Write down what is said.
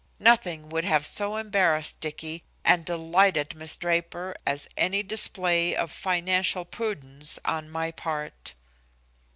Nothing would have so embarrassed Dicky and delighted Miss Draper as any display of financial prudence on my part.